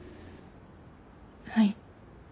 はい。